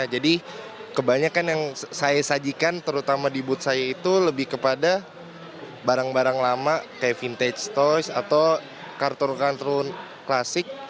jadi kebanyakan yang saya sajikan terutama di booth saya itu lebih kepada barang barang lama kayak vintage toys atau kartun kartun klasik